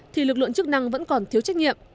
thì lực lượng chức năng vẫn còn thiếu trách nhiệm